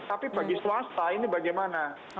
tapi bagi swasta ini bagaimana